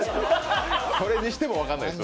それにしても分かんないです。